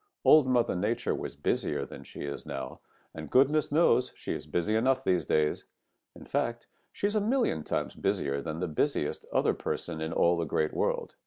Old Mother Nature was busier than she is now, and goodness knows she is busy enough these days. In fact, she is a million times busier than the busiest other person in all the Great World.